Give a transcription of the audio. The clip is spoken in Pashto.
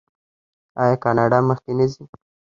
آیا کاناډا مخکې نه ځي؟